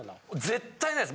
絶対ないです！